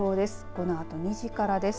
このあと２時からです。